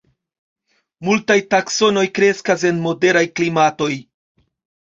Multaj taksonoj kreskas en moderaj klimatoj.